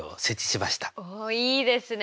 おっいいですね